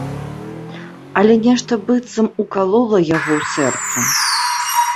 Але нешта быццам укалола яго ў сэрца.